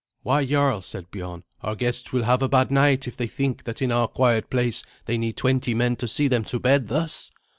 "Why, jarl," said Biorn, "our guests will have a bad night if they think that in our quiet place they need twenty men to see them to bed thus!"